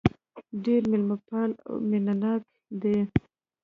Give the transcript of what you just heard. ډېر مېلمه پال او مينه ناک دي.